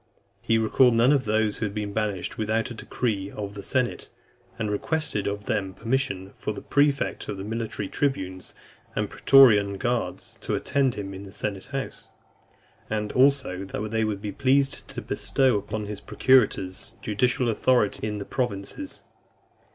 He recalled none of those who had been banished, without a decree of the senate: and requested of them permission for the prefect of the military tribunes and pretorian guards to attend him in the senate house ; and (304) also that they would be pleased to bestow upon his procurators judicial authority in the provinces .